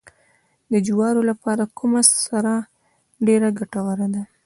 د جوارو لپاره کومه سره ډیره ګټوره ده؟